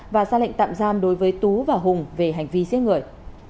và ra lệnh tạm giam đối với tú và hùng về hành vi giết người